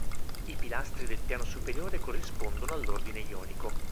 I pilastri del piano superiore corrispondono all'Ordine ionico.